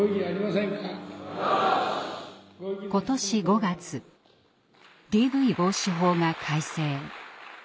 ことし５月ＤＶ防止法が改正。